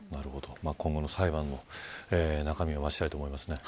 今後の裁判を中身を待ちたいと思いますね。